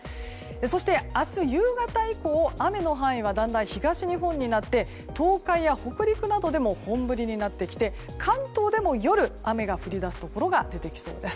そして、明日夕方以降雨の範囲はだんだん東日本になって東海や北陸などでも本降りになってきて関東でも夜雨が降り出すところが出てきそうです。